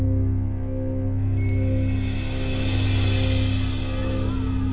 ada yang tanya